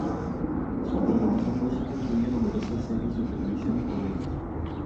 Su programación básica incluye numerosas series de televisión y comedias.